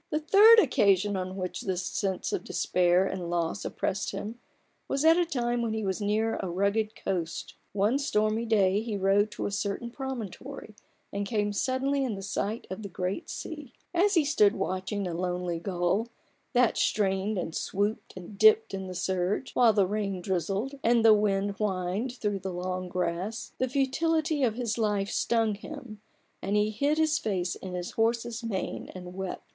The third occasion on which this sense of despair and loss oppressed him, was at a time when he was near a rugged coast. One stormy day he rode to a certain promontory, and came suddenly in sight of the great sea. THE BARGAIN OF RUPERT ORANGE. 41 As he stood watching a lonely gull, that strained, and swooped, and dipped in the surge, while the rain drizzled, and the wind whined through the long grass, the futility of his life stung him, and he hid his face in his horse's mane and wept.